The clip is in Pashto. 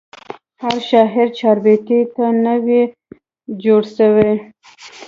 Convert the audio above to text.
هر شاعر چاربیتې ته نه وي جوړسوی.